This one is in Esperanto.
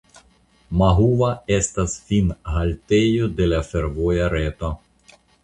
Mahuva estas finhaltejo de la fervoja reto.